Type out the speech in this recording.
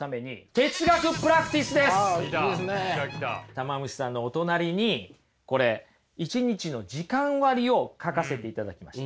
たま虫さんのお隣にこれ一日の時間割を書かせていただきました。